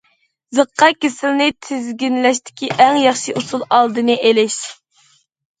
زىققا كېسىلىنى تىزگىنلەشتىكى ئەڭ ياخشى ئۇسۇل ئالدىنى ئېلىش.